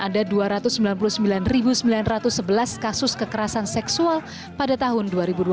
ada dua ratus sembilan puluh sembilan sembilan ratus sebelas kasus kekerasan seksual pada tahun dua ribu dua puluh